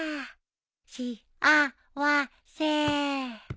し・あ・わ・せ。